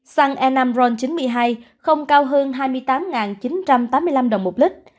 xăng e năm ron chín mươi hai không cao hơn hai mươi tám chín trăm tám mươi năm đồng một lít